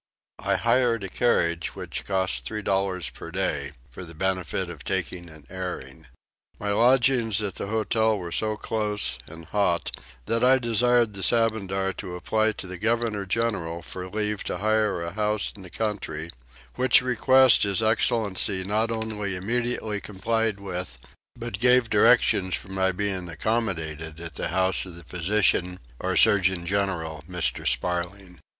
I hired a carriage which cost three dollars per day for the benefit of taking an airing. My lodgings at the hotel were so close and hot that I desired the Sabandar to apply to the Governor General for leave to hire a house in the country; which request his excellency not only immediately complied with but gave directions for my being accommodated at the house of the physician or surgeon general Mr. Sparling.